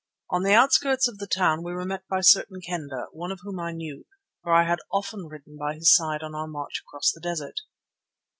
On the outskirts of the town we were met by certain Kendah, one of whom I knew, for I had often ridden by his side on our march across the desert.